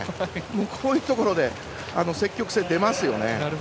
こういうところで積極性が出ますよね。